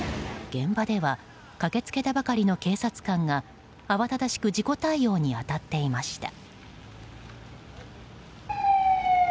現場では駆けつけたばかりの警察官が慌ただしく事故対応に当たっていました。